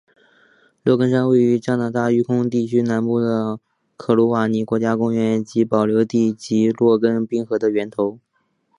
洛根山位于加拿大育空地区南部的克鲁瓦尼国家公园及保留地及洛根冰河的源头。